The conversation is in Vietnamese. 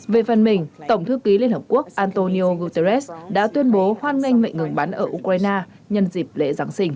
về phần mình tổng thư ký liên hợp quốc antonio guterres đã tuyên bố hoan nghênh mệnh ngừng bắn ở ukraine nhân dịp lễ giáng sinh